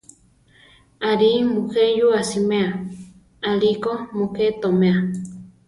Aʼrí muje yúa siméa, aʼlí ko mujé toméa.